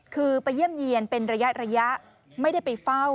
คือไปเยี่ยมเยี่ยนเป็นระยะไม่ได้ไปเฝ้า